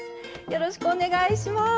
よろしくお願いします。